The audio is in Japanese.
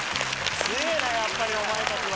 強えぇなやっぱりお前たちは。